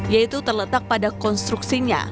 yaitu terletak pada konstruksinya